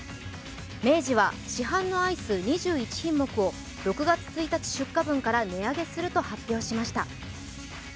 明治は市販のアイス２１品目を６月１日出荷分から値上げすると発表しました。